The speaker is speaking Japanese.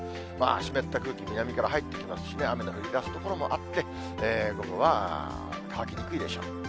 湿った空気、南から入ってきますしね、雨が降りだす所もあって、午後は乾きにくいでしょう。